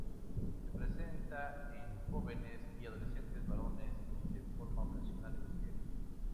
Se presenta en jóvenes y adolescentes varones y de forma ocasional en mujeres.